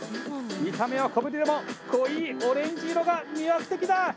見た目は小ぶりでも濃いオレンジ色が魅惑的だ。